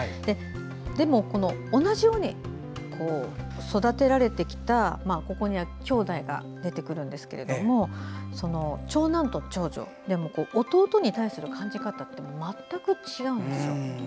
でも同じように育てられてきたここには、きょうだいが出てくるんですけれども長男と長女でも弟に対する感じ方って全く違うんですよ。